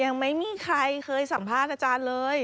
ยังไม่มีใครเคยสัมภาษณ์อาจารย์เลย